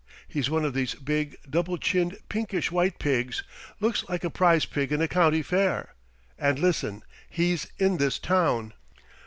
He's one of these big, double chinned pinkish white pigs looks like a prize pig in a county fair. And, listen! He's in this town!"